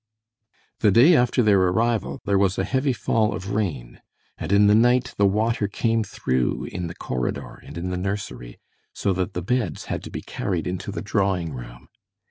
The day after their arrival there was a heavy fall of rain, and in the night the water came through in the corridor and in the nursery, so that the beds had to be carried into the drawing room.